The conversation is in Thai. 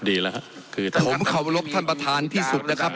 ดีแล้วครับคือผมเคารพท่านประธานที่สุดนะครับ